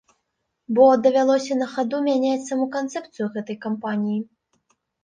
Бо давялося на хаду мяняць саму канцэпцыю гэтай кампаніі.